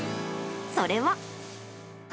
それは。